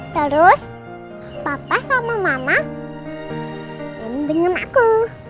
terus papa sama mama dengan aku